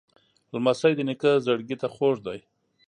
لمسی د نیکه زړګي ته خوږ دی.